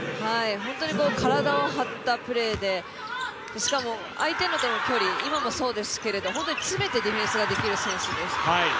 本当に体を張ったプレーで、しかも相手との距離、今もそうですけれど、詰めてディフェンスができる選手です。